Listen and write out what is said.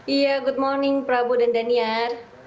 iya good morning prabu dan daniar